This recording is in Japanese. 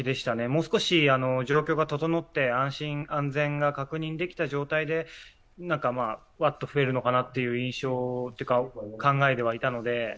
もう少し状況が整って安心・安全が確認できた状態でわっと増えるのかなという印象というか考えではいたので。